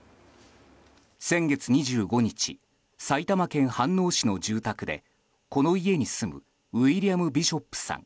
先月２５日埼玉県飯能市の住宅でこの家に住むウィリアム・ビショップさん